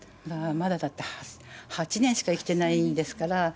まだ８年しか生きていないんですから。